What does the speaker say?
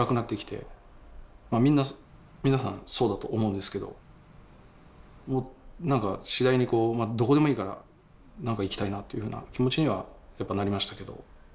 まあみんな皆さんそうだと思うんですけどなんか次第にこうどこでもいいからなんか行きたいなっていうふうな気持ちにはやっぱなりましたけど。